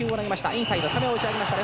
インサイド高めを打ち上げました。